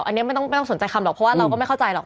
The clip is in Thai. อันนี้ไม่ต้องสนใจคำหรอกเพราะว่าเราก็ไม่เข้าใจหรอก